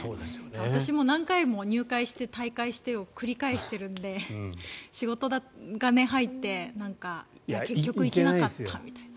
私も何回も入会して退会してを繰り返してるので仕事が入って結局行けなかったみたいな。